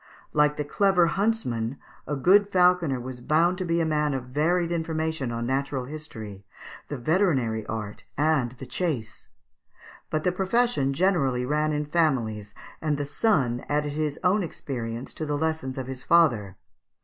Like the clever huntsman, a good falconer (Fig. 156) was bound to be a man of varied information on natural history, the veterinary art, and the chase; but the profession generally ran in families, and the son added his own experience to the lessons of his father.